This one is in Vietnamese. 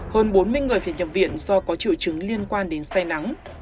hơn bốn mươi người phải nhập viện do có triệu chứng liên quan đến say nắng